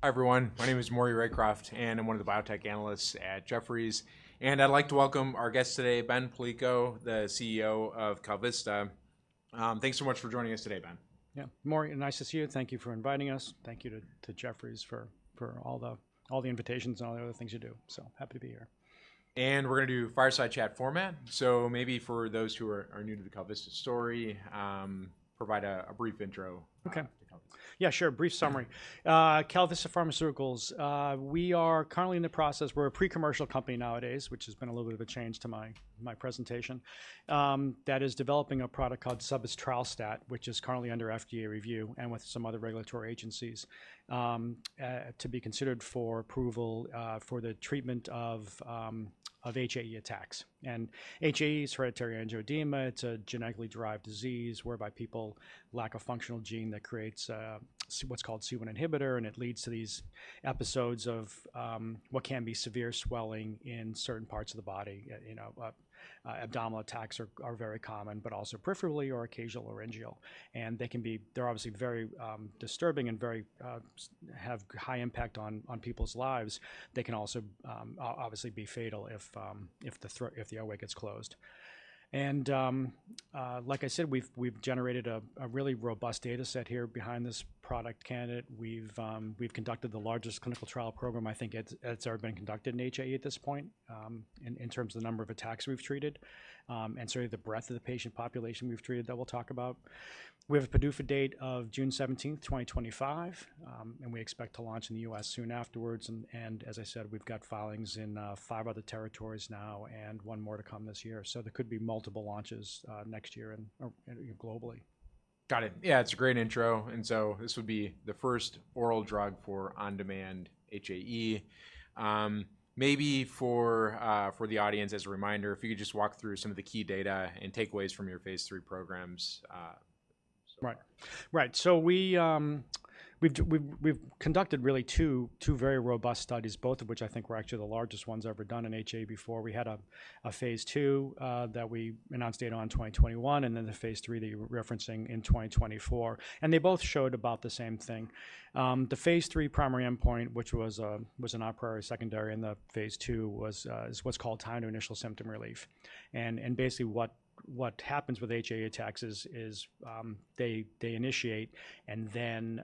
Hi everyone, my name is Maury Raycroft, and I'm one of the Biotech Analysts at Jefferies, and I'd like to welcome our guest today, Ben Palleiko, the CEO of KalVista. Thanks so much for joining us today, Ben. Yeah, Maury, nice to see you. Thank you for inviting us. Thank you to Jefferies for all the invitations and all the other things you do. So happy to be here. And we're going to do fireside chat format. So maybe for those who are new to the KalVista story, provide a brief intro. Okay. Yeah, sure. Brief summary. KalVista Pharmaceuticals, we are currently in the process. We're a pre-commercial company nowadays, which has been a little bit of a change to my presentation, that is developing a product called sebetralstat, which is currently under FDA review and with some other regulatory agencies to be considered for approval for the treatment of HAE attacks. And HAE is hereditary angioedema. It's a genetically derived disease whereby people lack a functional gene that creates what's called C1 inhibitor, and it leads to these episodes of what can be severe swelling in certain parts of the body. Abdominal attacks are very common, but also peripheral or occasional laryngeal. And they can be, they're obviously very disturbing and have high impact on people's lives. They can also obviously be fatal if the airway gets closed. And like I said, we've generated a really robust data set here behind this product candidate. We've conducted the largest clinical trial program I think that's ever been conducted in HAE at this point in terms of the number of attacks we've treated and certainly the breadth of the patient population we've treated that we'll talk about. We have a PDUFA date of June 17th, 2025, and we expect to launch in the U.S. soon afterwards. And as I said, we've got filings in five other territories now and one more to come this year. So there could be multiple launches next year and globally. Got it. Yeah, it's a great intro. And so this would be the first oral drug for on-demand HAE. Maybe for the audience, as a reminder, if you could just walk through some of the key data and takeaways from your phase III programs? So. Right. Right. So we've conducted really two very robust studies, both of which I think were actually the largest ones ever done in HAE before. We had a phase II that we announced data on in 2021, and then the phase III that you were referencing in 2024. And they both showed about the same thing. The phase III primary endpoint, which was our priority secondary in the phase II, is what's called time to initial symptom relief. And basically what happens with HAE attacks is they initiate, and then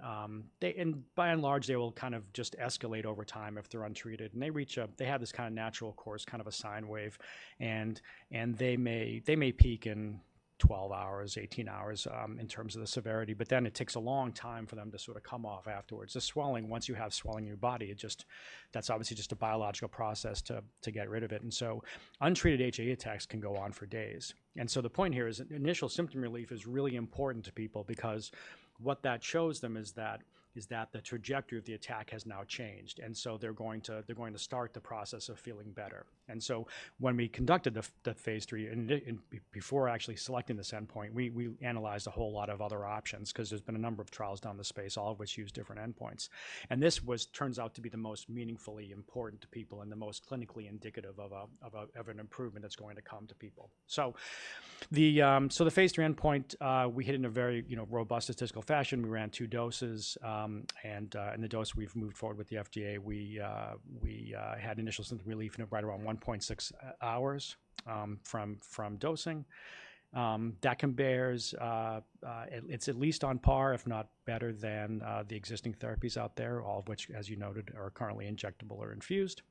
by and large, they will kind of just escalate over time if they're untreated. And they have this kind of natural course, kind of a sine wave, and they may peak in 12 hours, 18 hours in terms of the severity, but then it takes a long time for them to sort of come off afterwards. The swelling, once you have swelling in your body, that's obviously just a biological process to get rid of it. And so untreated HAE attacks can go on for days. And so the point here is initial symptom relief is really important to people because what that shows them is that the trajectory of the attack has now changed. And so they're going to start the process of feeling better. And so when we conducted the phase III, before actually selecting this endpoint, we analyzed a whole lot of other options because there's been a number of trials in the space, all of which use different endpoints. And this turns out to be the most meaningfully important to people and the most clinically indicative of an improvement that's going to come to people. So the phase III endpoint, we hit in a very robust statistical fashion. We ran two doses, and the dose we've moved forward with the FDA, we had initial symptom relief in right around 1.6 hours from dosing. That compares, it's at least on par, if not better than the existing therapies out there, all of which, as you noted, are currently injectable or infused.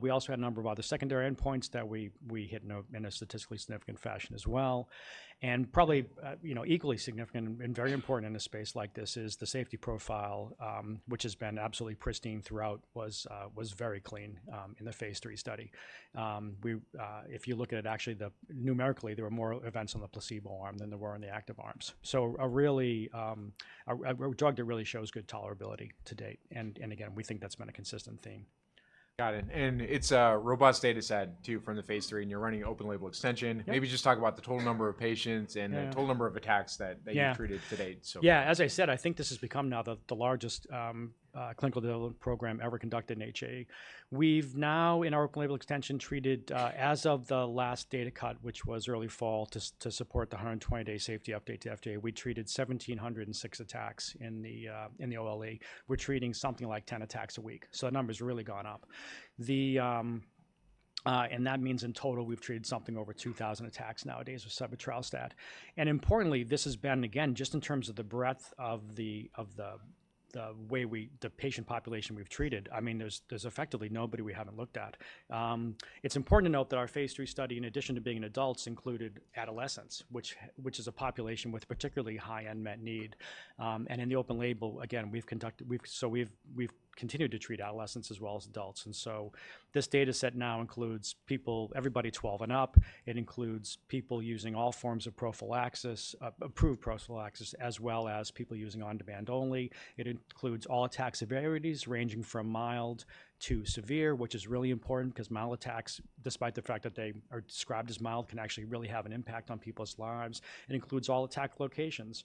We also had a number of other secondary endpoints that we hit in a statistically significant fashion as well. Probably equally significant and very important in a space like this is the safety profile, which has been absolutely pristine throughout, was very clean in the phase III study. If you look at it, actually, numerically, there were more events on the placebo arm than there were on the active arms. So a drug that really shows good tolerability to date. Again, we think that's been a consistent theme. Got it. And it's a robust data set too from the phase III, and you're running open label extension. Maybe just talk about the total number of patients and the total number of attacks that you've treated to date. Yeah. As I said, I think this has become now the largest clinical development program ever conducted in HAE. We've now, in our open label extension, treated as of the last data cut, which was early fall, to support the 120-day safety update to FDA, we treated 1,706 attacks in the OLE. We're treating something like 10 attacks a week. So the number has really gone up. And that means in total, we've treated something over 2,000 attacks nowadays with sebetralstat. And importantly, this has been, again, just in terms of the breadth of the way the patient population we've treated, I mean, there's effectively nobody we haven't looked at. It's important to note that our phase III study, in addition to being in adults, included adolescents, which is a population with particularly high unmet need. In the open label, again, so we've continued to treat adolescents as well as adults. So this data set now includes people, everybody 12 and up. It includes people using all forms of prophylaxis, approved prophylaxis, as well as people using on-demand only. It includes all attack severities ranging from mild to severe, which is really important because mild attacks, despite the fact that they are described as mild, can actually really have an impact on people's lives. It includes all attack locations.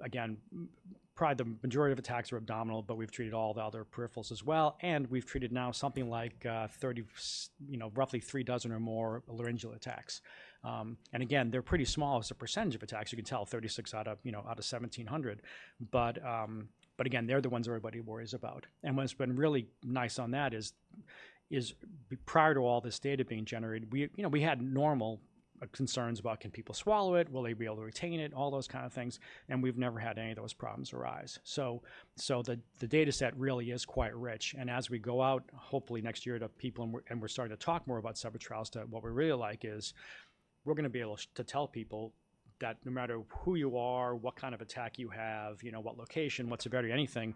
Again, probably the majority of attacks are abdominal, but we've treated all the other peripherals as well. We've treated now something like roughly three dozen or more laryngeal attacks. Again, they're pretty small as a percentage of attacks. You can tell 36 out of 1,700. Again, they're the ones everybody worries about. What's been really nice on that is prior to all this data being generated, we had normal concerns about can people swallow it, will they be able to retain it, all those kinds of things. We've never had any of those problems arise. The data set really is quite rich. As we go out, hopefully next year to people, and we're starting to talk more about sebetralstat trials, what we really like is we're going to be able to tell people that no matter who you are, what kind of attack you have, what location, what severity, anything,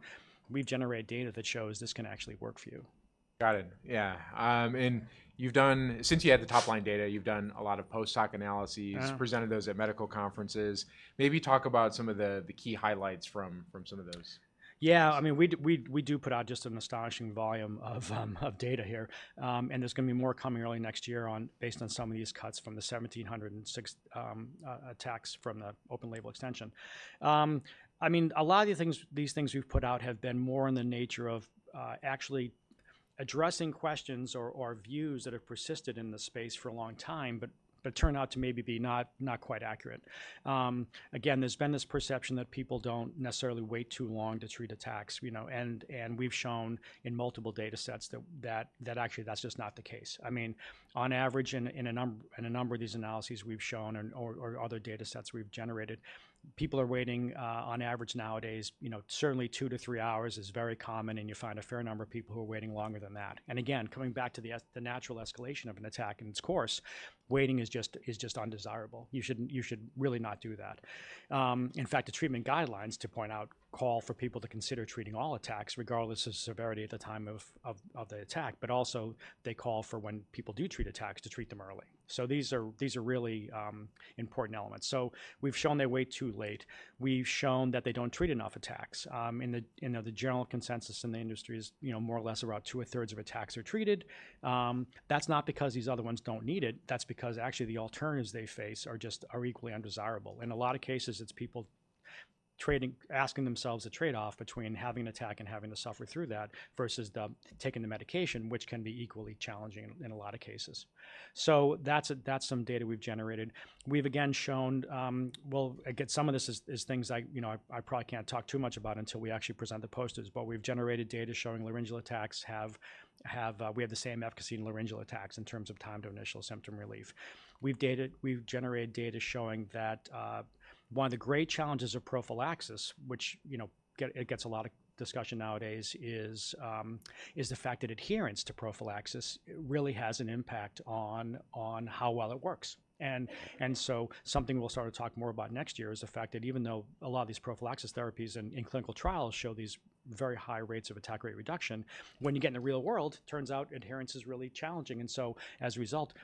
we've generated data that shows this can actually work for you. Got it. Yeah, and since you had the top-line data, you've done a lot of post-hoc analyses, presented those at medical conferences. Maybe talk about some of the key highlights from some of those. Yeah. I mean, we do put out just an astonishing volume of data here. And there's going to be more coming early next year based on some of these cuts from the 1,706 attacks from the open label extension. I mean, a lot of these things we've put out have been more in the nature of actually addressing questions or views that have persisted in the space for a long time, but turned out to maybe be not quite accurate. Again, there's been this perception that people don't necessarily wait too long to treat attacks. And we've shown in multiple data sets that actually that's just not the case. I mean, on average, in a number of these analyses we've shown or other data sets we've generated, people are waiting on average nowadays, certainly two to three hours is very common, and you find a fair number of people who are waiting longer than that. And again, coming back to the natural escalation of an attack in its course, waiting is just undesirable. You should really not do that. In fact, the treatment guidelines, to point out, call for people to consider treating all attacks regardless of severity at the time of the attack, but also they call for when people do treat attacks to treat them early. So these are really important elements. So we've shown they wait too late. We've shown that they don't treat enough attacks. The general consensus in the industry is more or less around two-thirds of attacks are treated. That's not because these other ones don't need it. That's because actually the alternatives they face are equally undesirable. In a lot of cases, it's people asking themselves a trade-off between having an attack and having to suffer through that versus taking the medication, which can be equally challenging in a lot of cases. So that's some data we've generated. We've again shown, well, again, some of this is things I probably can't talk too much about until we actually present the posters, but we've generated data showing laryngeal attacks. We have the same efficacy in laryngeal attacks in terms of time to initial symptom relief. We've generated data showing that one of the great challenges of prophylaxis, which gets a lot of discussion nowadays, is the fact that adherence to prophylaxis really has an impact on how well it works. And so something we'll start to talk more about next year is the fact that even though a lot of these prophylaxis therapies and clinical trials show these very high rates of attack rate reduction, when you get in the real world, it turns out adherence is really challenging. And so as a result,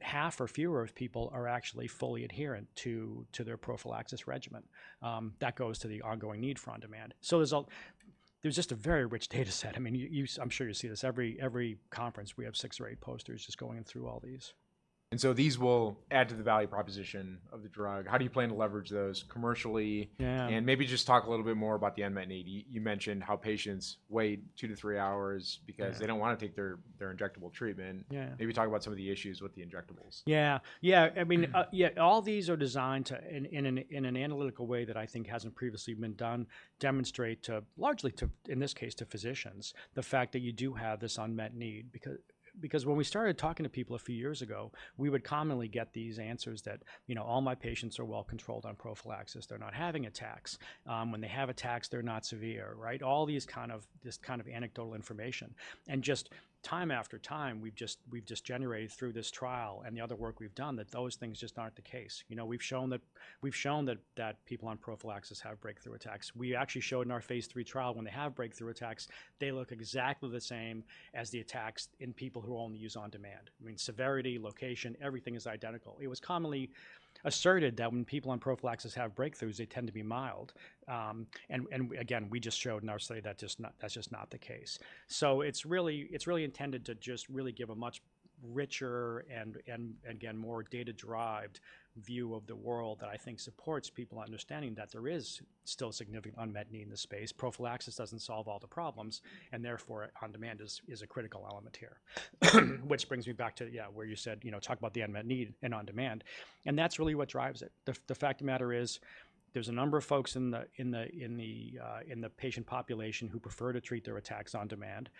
half or fewer of people are actually fully adherent to their prophylaxis regimen. That goes to the ongoing need for on-demand. So there's just a very rich data set. I mean, I'm sure you see this every conference. We have six or eight posters just going through all these. And so these will add to the value proposition of the drug. How do you plan to leverage those commercially? And maybe just talk a little bit more about the unmet need. You mentioned how patients wait two to three hours because they don't want to take their injectable treatment. Maybe talk about some of the issues with the injectables? Yeah. Yeah. I mean, all these are designed in an analytical way that I think hasn't previously been done, demonstrate largely, in this case, to physicians, the fact that you do have this unmet need. Because when we started talking to people a few years ago, we would commonly get these answers that all my patients are well controlled on prophylaxis. They're not having attacks. When they have attacks, they're not severe. Right? All this kind of anecdotal information and just time after time, we've just generated through this trial and the other work we've done that those things just aren't the case. We've shown that people on prophylaxis have breakthrough attacks. We actually showed in our phase III trial, when they have breakthrough attacks, they look exactly the same as the attacks in people who only use on-demand. I mean, severity, location, everything is identical. It was commonly asserted that when people on prophylaxis have breakthroughs, they tend to be mild, and again, we just showed in our study that's just not the case, so it's really intended to just really give a much richer and again, more data-driven view of the world that I think supports people understanding that there is still significant unmet need in the space. Prophylaxis doesn't solve all the problems, and therefore on-demand is a critical element here, which brings me back to, yeah, where you said, talk about the unmet need and on-demand, and that's really what drives it. The fact of the matter is there's a number of folks in the patient population who prefer to treat their attacks on-demand,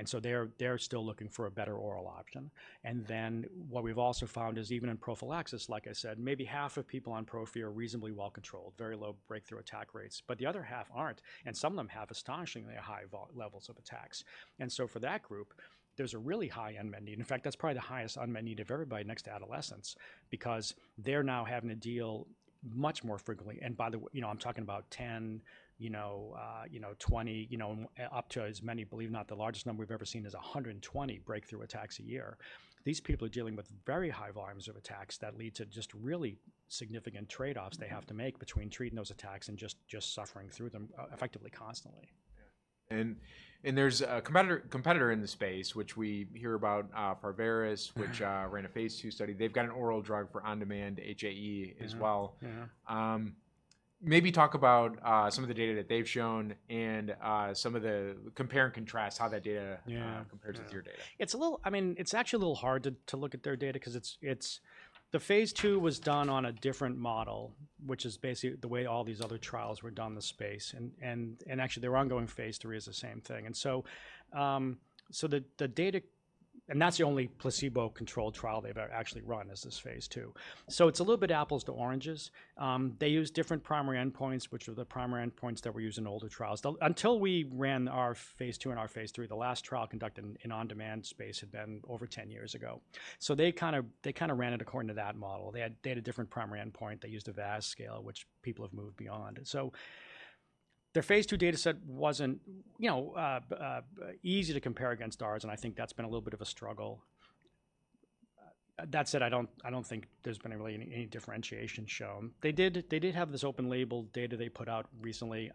and so they're still looking for a better oral option. And then what we've also found is even in prophylaxis, like I said, maybe half of people on prophy are reasonably well controlled, very low breakthrough attack rates, but the other half aren't. And some of them have astonishingly high levels of attacks. And so for that group, there's a really high unmet need. In fact, that's probably the highest unmet need of everybody next to adolescents because they're now having to deal much more frequently. And by the way, I'm talking about 10, 20, up to as many, believe it or not, the largest number we've ever seen is 120 breakthrough attacks a year. These people are dealing with very high volumes of attacks that lead to just really significant trade-offs they have to make between treating those attacks and just suffering through them effectively constantly. Yeah. And there's a competitor in the space, which we hear about, Pharvaris, which ran a phase II study. They've got an oral drug for on-demand HAE as well. Maybe talk about some of the data that they've shown and some of the compare and contrast how that data compares with your data. Yeah. I mean, it's actually a little hard to look at their data because the phase II was done on a different model, which is basically the way all these other trials were done in the space. And actually, their ongoing phase III is the same thing. And so the data, and that's the only placebo-controlled trial they've actually run is this phase II. So it's a little bit apples to oranges. They use different primary endpoints, which are the primary endpoints that were used in older trials. Until we ran our phase II and our phase III, the last trial conducted in on-demand space had been over 10 years ago. So they kind of ran it according to that model. They had a different primary endpoint. They used a VAS scale, which people have moved beyond. So their phase II data set wasn't easy to compare against ours, and I think that's been a little bit of a struggle. That said, I don't think there's been really any differentiation shown. They did have this open label data they put out recently.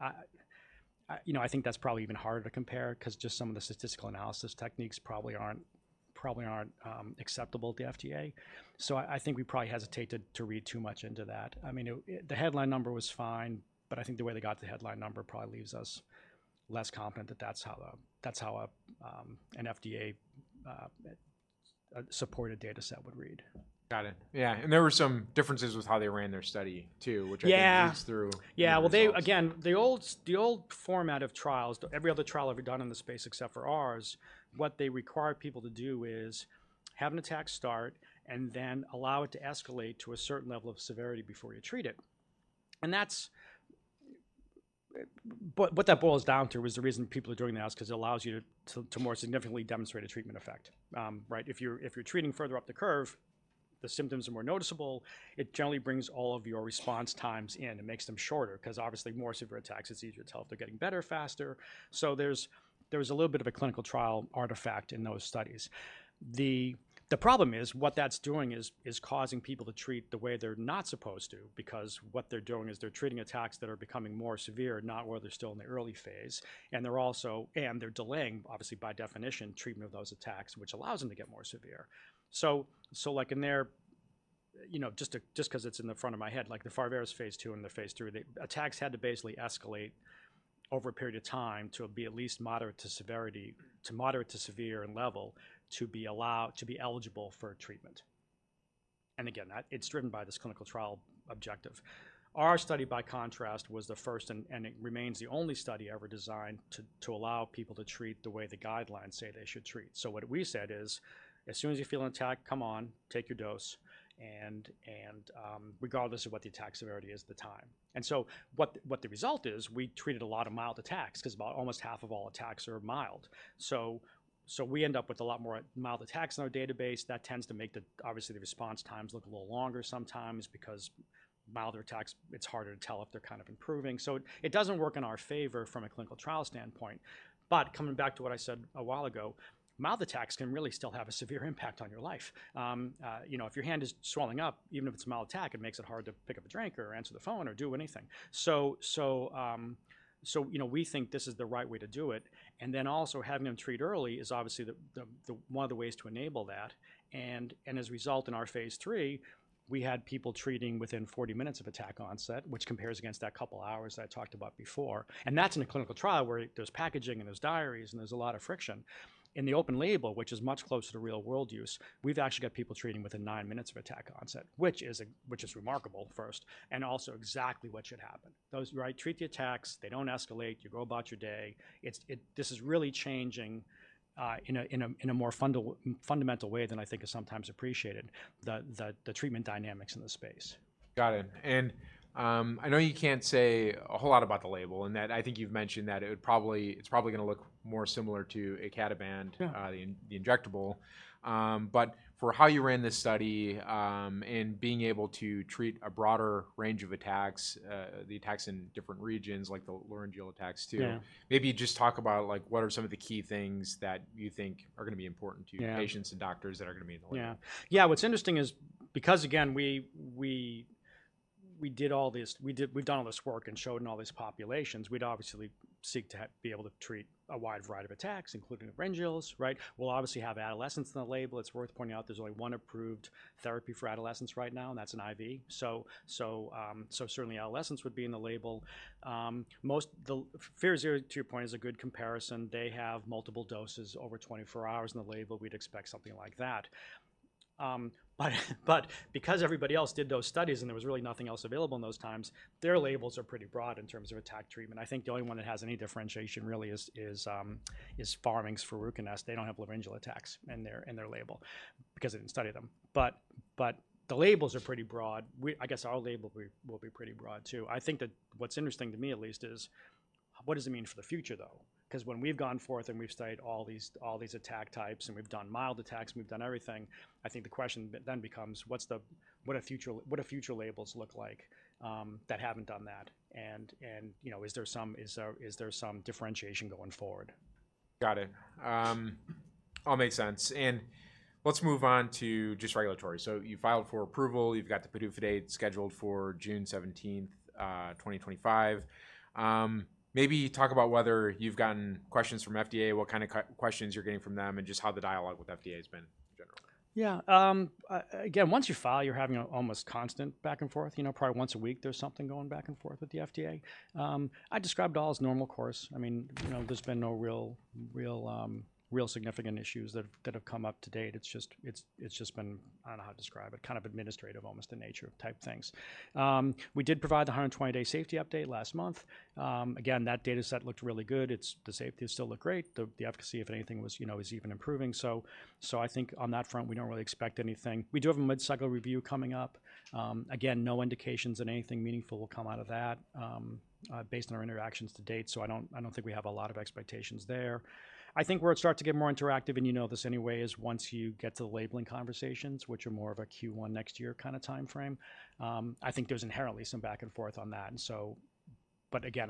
I think that's probably even harder to compare because just some of the statistical analysis techniques probably aren't acceptable to FDA. So I think we probably hesitated to read too much into that. I mean, the headline number was fine, but I think the way they got the headline number probably leaves us less confident that that's how an FDA-supported data set would read. Got it. Yeah. And there were some differences with how they ran their study too, which I think we'll see through. Yeah. Yeah. Well, again, the old format of trials, every other trial ever done in the space except for ours, what they require people to do is have an attack start and then allow it to escalate to a certain level of severity before you treat it. And what that boils down to is the reason people are doing that is because it allows you to more significantly demonstrate a treatment effect. Right? If you're treating further up the curve, the symptoms are more noticeable. It generally brings all of your response times in. It makes them shorter because obviously more severe attacks, it's easier to tell if they're getting better, faster. So there's a little bit of a clinical trial artifact in those studies. The problem is what that's doing is causing people to treat the way they're not supposed to because what they're doing is they're treating attacks that are becoming more severe, not where they're still in the early phase. And they're also delaying, obviously by definition, treatment of those attacks, which allows them to get more severe. So just because it's in the front of my head, like the Pharvaris phase II and the phase III, the attacks had to basically escalate over a period of time to be at least moderate in severity to moderate-to-severe level to be eligible for treatment. And again, it's driven by this clinical trial objective. Our study, by contrast, was the first and it remains the only study ever designed to allow people to treat the way the guidelines say they should treat. So what we said is, as soon as you feel an attack, come on, take your dose. And regardless of what the attack severity is, the time. And so what the result is, we treated a lot of mild attacks because almost half of all attacks are mild. So we end up with a lot more mild attacks in our database. That tends to make obviously the response times look a little longer sometimes because milder attacks, it's harder to tell if they're kind of improving. So it doesn't work in our favor from a clinical trial standpoint. But coming back to what I said a while ago, mild attacks can really still have a severe impact on your life. If your hand is swelling up, even if it's a mild attack, it makes it hard to pick up a drink or answer the phone or do anything. So we think this is the right way to do it. And then also having them treat early is obviously one of the ways to enable that. And as a result in our phase III, we had people treating within 40 minutes of attack onset, which compares against that couple of hours that I talked about before. And that's in a clinical trial where there's packaging and there's diaries and there's a lot of friction. In the open label, which is much closer to real-world use, we've actually got people treating within nine minutes of attack onset, which is remarkable first, and also exactly what should happen. Treat the attacks. They don't escalate. You go about your day. This is really changing in a more fundamental way than I think is sometimes appreciated, the treatment dynamics in the space. Got it. And I know you can't say a whole lot about the label in that I think you've mentioned that it's probably going to look more similar to icatibant, the injectable. But for how you ran this study and being able to treat a broader range of attacks, the attacks in different regions like the laryngeal attacks too, maybe just talk about what are some of the key things that you think are going to be in the label. Yeah. Yeah. What's interesting is because again, we did all this. We've done all this work and showed in all these populations, we'd obviously seek to be able to treat a wide variety of attacks, including laryngeals. Right? We'll obviously have adolescents in the label. It's worth pointing out there's only one approved therapy for adolescents right now, and that's an IV. So certainly adolescents would be in the label. The FIRAZYR, to your point, is a good comparison. They have multiple doses over 24 hours in the label. We'd expect something like that. But because everybody else did those studies and there was really nothing else available in those times, their labels are pretty broad in terms of attack treatment. I think the only one that has any differentiation really is Pharming for RUCONEST. They don't have laryngeal attacks in their label because they didn't study them. But the labels are pretty broad. I guess our label will be pretty broad too. I think that what's interesting to me at least is what does it mean for the future though? Because when we've gone forth and we've studied all these attack types and we've done mild attacks and we've done everything, I think the question then becomes, what do future labels look like that haven't done that? And is there some differentiation going forward? Got it. All makes sense. And let's move on to just regulatory. So you filed for approval. You've got the PDUFA date scheduled for June 17th, 2025. Maybe talk about whether you've gotten questions from FDA, what kind of questions you're getting from them, and just how the dialogue with FDA has been generally. Yeah. Again, once you file, you're having almost constant back and forth. Probably once a week, there's something going back and forth with the FDA. I described it all as normal course. I mean, there's been no real significant issues that have come up to date. It's just been, I don't know how to describe it, kind of administrative almost in nature type things. We did provide the 120-day safety update last month. Again, that data set looked really good. The safety still looked great. The efficacy, if anything, was even improving. So I think on that front, we don't really expect anything. We do have a mid-cycle review coming up. Again, no indications that anything meaningful will come out of that based on our interactions to date. So I don't think we have a lot of expectations there. I think where it starts to get more interactive, and you know this anyway, is once you get to the labeling conversations, which are more of a Q1 next year kind of timeframe. I think there's inherently some back and forth on that. But again,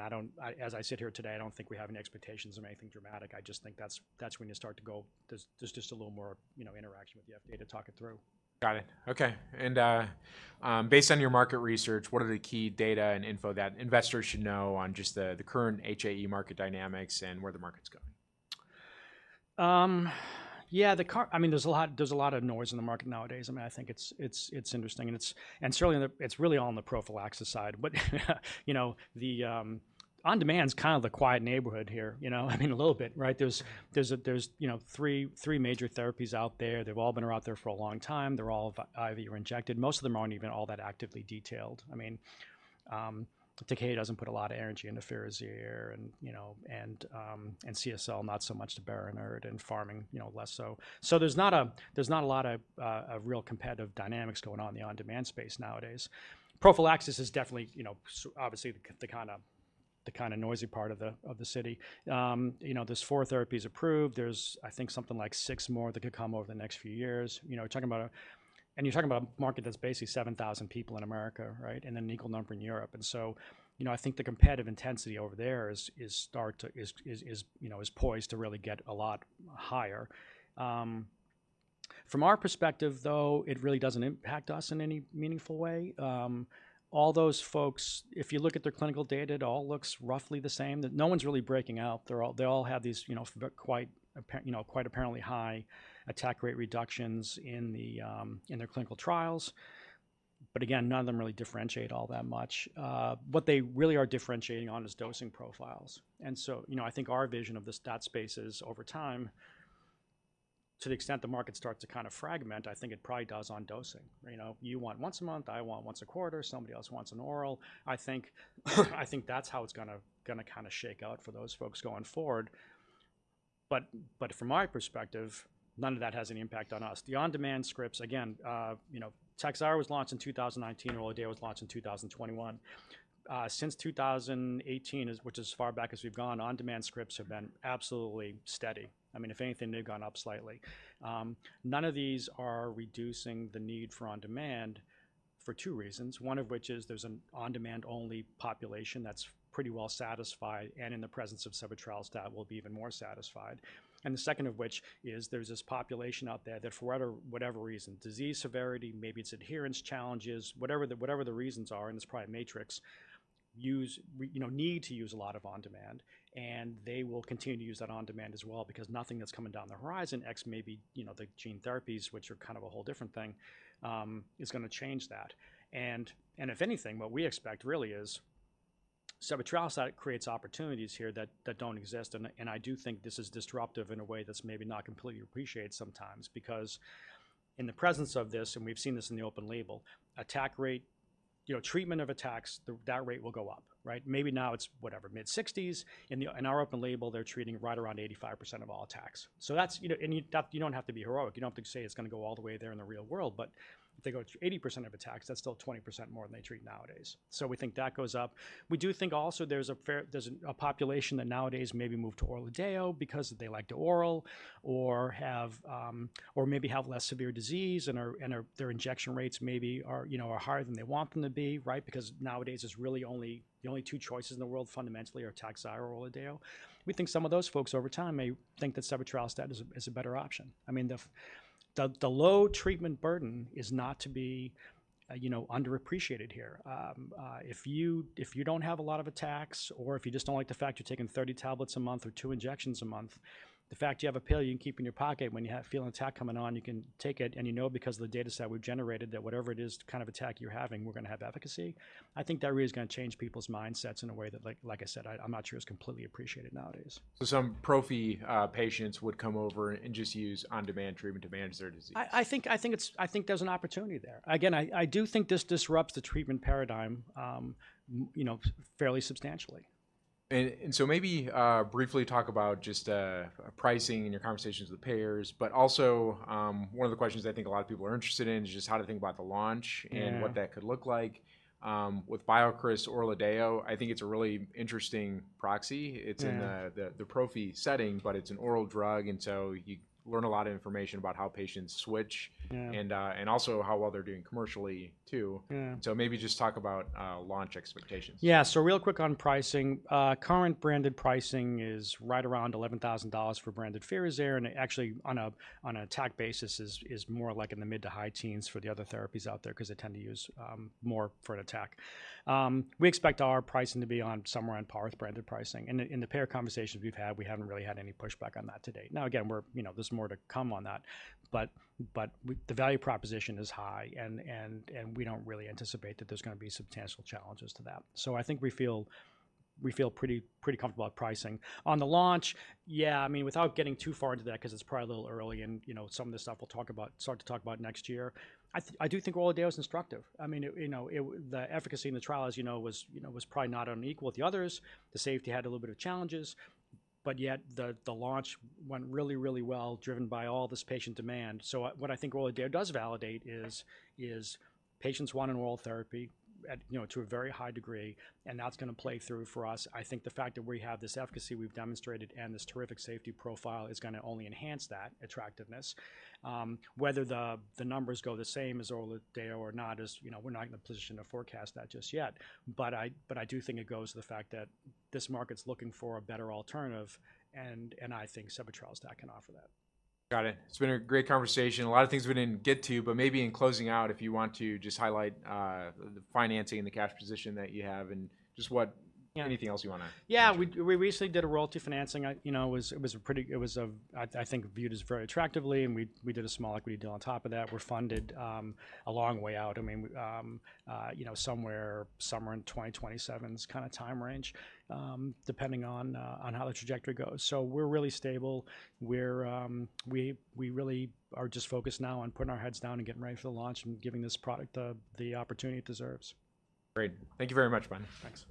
as I sit here today, I don't think we have any expectations of anything dramatic. I just think that's when you start to go, there's just a little more interaction with the FDA to talk it through. Got it. Okay. And based on your market research, what are the key data and info that investors should know on just the current HAE market dynamics and where the market's going? Yeah. I mean, there's a lot of noise in the market nowadays. I mean, I think it's interesting. And certainly, it's really all on the prophylaxis side. But on-demand is kind of the quiet neighborhood here. I mean, a little bit. Right? There are three major therapies out there. They've all been out there for a long time. They're all IV or injected. Most of them aren't even all that actively detailed. I mean, Takeda doesn't put a lot of energy into FIRAZYR and CSL, not so much to BERINERT and Pharming less so. So there's not a lot of real competitive dynamics going on in the on-demand space nowadays. Prophylaxis is definitely obviously the kind of noisy part of the city. There are four therapies approved. There's, I think, something like six more that could come over the next few years. And you're talking about a market that's basically 7,000 people in America, right, and an equal number in Europe. And so I think the competitive intensity over there is poised to really get a lot higher. From our perspective though, it really doesn't impact us in any meaningful way. All those folks, if you look at their clinical data, it all looks roughly the same. No one's really breaking out. They all have these quite apparently high attack rate reductions in their clinical trials. But again, none of them really differentiate all that much. What they really are differentiating on is dosing profiles. And so I think our vision of that space is over time, to the extent the market starts to kind of fragment, I think it probably does on dosing. You want once a month, I want once a quarter, somebody else wants an oral. I think that's how it's going to kind of shake out for those folks going forward. But from my perspective, none of that has any impact on us. The on-demand scripts, again, TAKHZYRO was launched in 2019. ORLADEYO was launched in 2021. Since 2018, which is as far back as we've gone, on-demand scripts have been absolutely steady. I mean, if anything, they've gone up slightly. None of these are reducing the need for on-demand for two reasons. One of which is there's an on-demand-only population that's pretty well satisfied, and in the presence of sebetralstat, that will be even more satisfied. And the second of which is there's this population out there that for whatever reason, disease severity, maybe it's adherence challenges, whatever the reasons are, and it's probably a matrix, need to use a lot of on-demand. They will continue to use that on-demand as well because nothing that's coming down the horizon, ex maybe the gene therapies, which are kind of a whole different thing, is going to change that. And if anything, what we expect really is sebetralstat that creates opportunities here that don't exist. And I do think this is disruptive in a way that's maybe not completely appreciated sometimes because in the presence of this, and we've seen this in the open label, attack rate, treatment of attacks, that rate will go up. Right? Maybe now it's whatever, mid-60s. In our open label, they're treating right around 85% of all attacks. And you don't have to be heroic. You don't have to say it's going to go all the way there in the real world. But if they go to 80% of attacks, that's still 20% more than they treat nowadays. We think that goes up. We do think also there's a population that nowadays maybe moved to ORLADEYO because they like to oral or maybe have less severe disease and their injection rates maybe are higher than they want them to be. Right? Because nowadays, the only two choices in the world fundamentally are TAKHZYRO or ORLADEYO. We think some of those folks over time may think that sebetralstat is a better option. I mean, the low treatment burden is not to be underappreciated here. If you don't have a lot of attacks or if you just don't like the fact you're taking 30 tablets a month or two injections a month, the fact you have a pill you can keep in your pocket when you feel an attack coming on, you can take it and you know because of the data set we've generated that whatever it is kind of attack you're having, we're going to have efficacy. I think that really is going to change people's mindsets in a way that, like I said, I'm not sure it's completely appreciated nowadays. So some prophy patients would come over and just use on-demand treatment to manage their disease. I think there's an opportunity there. Again, I do think this disrupts the treatment paradigm fairly substantially. And so maybe briefly talk about just pricing and your conversations with payers. But also one of the questions I think a lot of people are interested in is just how to think about the launch and what that could look like. With BioCryst, ORLADEYO, I think it's a really interesting proxy. It's in the prophy setting, but it's an oral drug. And so you learn a lot of information about how patients switch and also how well they're doing commercially too. So maybe just talk about launch expectations. Yeah. So real quick on pricing. Current branded pricing is right around $11,000 for branded FIRAZYR. And actually, on an attack basis, is more like in the mid to high teens for the other therapies out there because they tend to use more for an attack. We expect our pricing to be somewhere on par with branded pricing. And in the payer conversations we've had, we haven't really had any pushback on that to date. Now, again, there's more to come on that. But the value proposition is high and we don't really anticipate that there's going to be substantial challenges to that. So I think we feel pretty comfortable about pricing. On the launch, yeah. I mean, without getting too far into that because it's probably a little early and some of the stuff we'll start to talk about next year, I do think ORLADEYO is instructive. I mean, the efficacy in the trial, as you know, was probably not unlike the others. The safety had a little bit of challenges. But yet, the launch went really, really well driven by all this patient demand. So what I think ORLADEYO does validate is patients want an oral therapy to a very high degree, and that's going to play through for us. I think the fact that we have this efficacy we've demonstrated and this terrific safety profile is going to only enhance that attractiveness. Whether the numbers go the same as ORLADEYO or not, we're not in a position to forecast that just yet. But I do think it goes to the fact that this market's looking for a better alternative, and I think sebetralstat can offer that. Got it. It's been a great conversation. A lot of things we didn't get to, but maybe in closing out, if you want to just highlight the financing and the cash position that you have and just anything else you want to. Yeah. We recently did a royalty financing. It was a pretty, I think, viewed as very attractively, and we did a small equity deal on top of that. We're funded a long way out. I mean, somewhere in 2027's kind of time range, depending on how the trajectory goes. So we're really stable. We really are just focused now on putting our heads down and getting ready for the launch and giving this product the opportunity it deserves. Great. Thank you very much, Ben. Thanks.